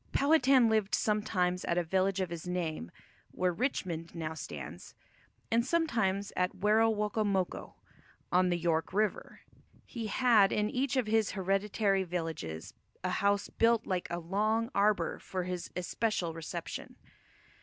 Powhatan lived sometimes at a village of his name, where Richmond now stands, and sometimes at Werowocomoco, on the York River. He had in each of his hereditary villages a house built like a long arbour for his especial reception.